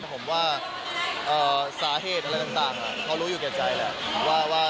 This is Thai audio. ผมว่าสาเหตุอะไรต่างเขารู้อยู่แก่ใจแหละว่า